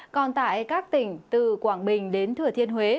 còn tại các tỉnh từ quảng bình đến thừa thiên huế